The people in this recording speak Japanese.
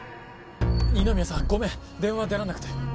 二宮さんごめん電話出らんなくて。